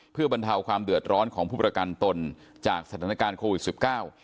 เพื่อบรรเทาความเดือดร้อนของผู้ประกันตนจากสถานการณ์โควิดสิบเก้า